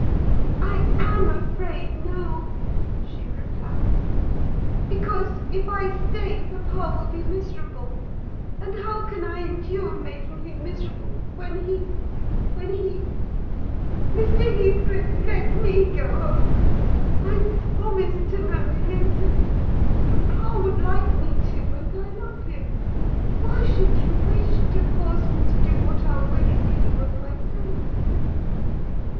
"I am afraid now," she replied, "because, if I stay, papa will be miserable: and how can I endure making him miserable—when he—when he—Mr. Heathcliff, let me go home! I promise to marry Linton: papa would like me to: and I love him. Why should you wish to force me to do what I'll willingly do of myself?"